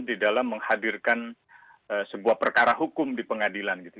di dalam menghadirkan sebuah perkara hukum di pengadilan gitu